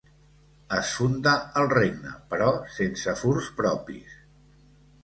Es funda el regne, però sense furs propis.